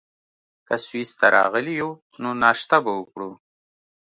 که سویس ته راغلي یو، نو ناشته به وکړو.